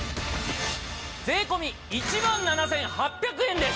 税込１万７８００円です。